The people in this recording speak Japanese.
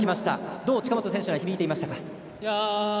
どう、近本選手には響いていましたか。